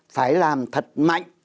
phải làm thật mạnh